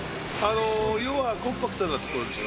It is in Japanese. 要はコンパクトなところですよ。